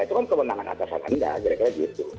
itu kan kemenangan atasan anda kira kira begitu